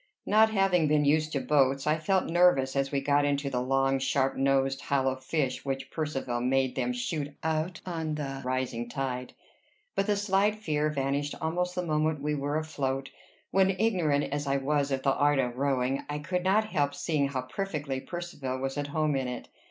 Not having been used to boats, I felt nervous as we got into the long, sharp nosed, hollow fish which Percivale made them shoot out on the rising tide; but the slight fear vanished almost the moment we were afloat, when, ignorant as I was of the art of rowing, I could not help seeing how perfectly Percivale was at home in it.